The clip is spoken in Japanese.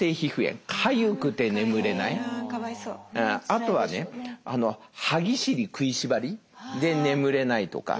あとはね「歯ぎしり」「食いしばり」で眠れないとか。